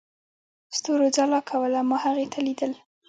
ستورو ځلا کوله، ما هغې ته ليدل.